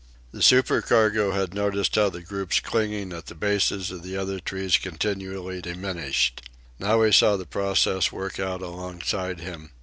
The supercargo had noticed how the groups clinging at the bases of the other trees continually diminished. Now he saw the process work out alongside him.